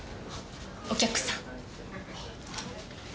お客さん。